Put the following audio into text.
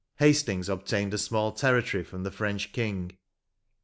Hastings obtained a small territory from the French King.